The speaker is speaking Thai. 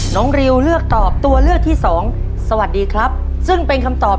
น้องริวเลือกตอบตัวไม่ได้นะครับ